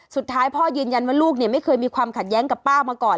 สุดท้ายพ่อยืนยันว่าลูกไม่เคยมีความขัดแย้งกับป้ามาก่อน